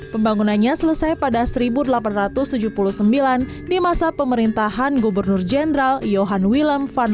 pembangunannya selesai pada seribu delapan ratus tujuh puluh sembilan di masa pemerintahan gubernur jenderal yohan willem van